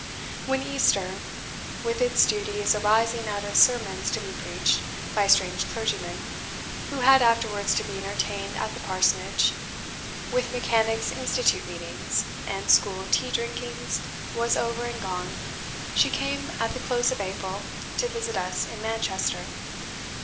When Easter, with its duties arising out of sermons to be preached by strange clergymen who had afterwards to be entertained at the Parsonage, with Mechanics' Institute Meetings, and school tea drinkings, was over and gone; she came, at the close of April, to visit us in Manchester.